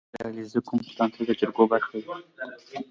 • د علیزي قوم مشران تل د جرګو برخه وي.